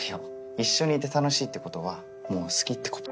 一緒にいて楽しいってことはもう好きってこと。